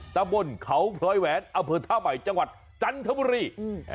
นั่นบนเขาพลอยแหวนอเผิดท่าวใหม่จังหวัดจันทบุรี